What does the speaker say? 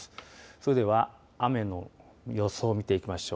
それでは雨の予想を見ていきましょう。